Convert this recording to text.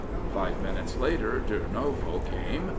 Five minutes later Durnovo came.